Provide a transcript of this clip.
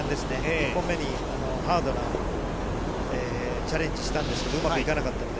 １本目にハードなチャレンジしたんですけど、うまくいかなかったので。